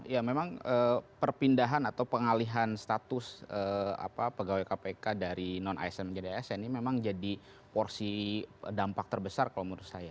ya memang perpindahan atau pengalihan status pegawai kpk dari non asn menjadi asn ini memang jadi porsi dampak terbesar kalau menurut saya